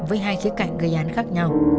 với hai khía cạnh gây án khác nhau